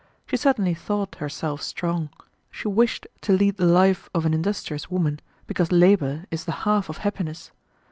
She certainly thought herself strong; she wished to lead the life of an industrious woman, because labor is the half of happiness.